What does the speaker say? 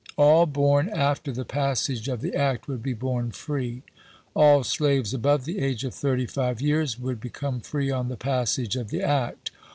All born after the passage of the act would be born free. All slaves above the age of thirty five years would be come free on the passage of the act.